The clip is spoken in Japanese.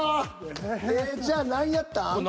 ええじゃあ何やったん？